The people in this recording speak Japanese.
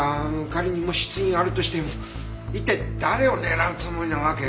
仮にもし次があるとしても一体誰を狙うつもりなわけ？